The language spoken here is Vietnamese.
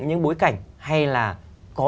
những bối cảnh hay là có